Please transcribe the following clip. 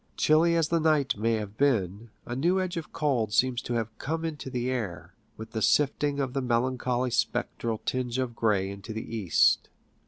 Chilly as the night may have been, a new edge of gold seems to have come into the air, with the sifting of the melancholy spectral tinge of gray into the east.